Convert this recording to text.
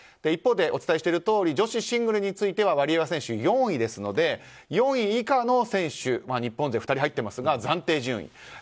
一方で、お伝えしているとおり女子シングルについてはワリエワ選手、４位ですので４位以下の選手日本勢２人入っていますが暫定順位。